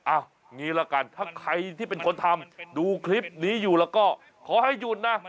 เอางี้ละกันถ้าใครที่เป็นคนทำดูคลิปนี้อยู่แล้วก็ขอให้หยุดนะ